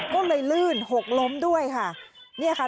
ก็เลยลื่นหกล้มด้วยค่ะ